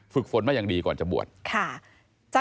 ฝึกฝนมาอย่างดีก่อนจะบวช